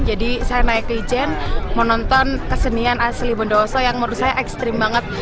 jadi saya naik ke ijen menonton kesenian asli bundaoso yang menurut saya ekstrim banget